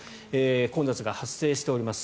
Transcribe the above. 混雑が発生しております。